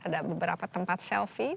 ada beberapa tempat selfie